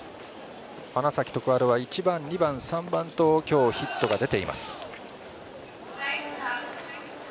花咲徳栄は１番、２番、３番、４番と今日、ヒットが出ています。